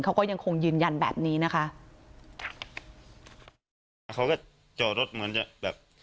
เขาก็ยังคงยืนยันแบบนี้นะคะเขาก็จอดรถเหมือนจะแบบ